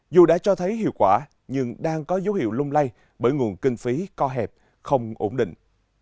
dù đã cho thấy hiệu quả nhưng đang có dấu hiệu lung lay bởi nguồn kinh phí co hẹp không ổn định